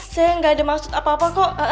saya nggak ada maksud apa apa kok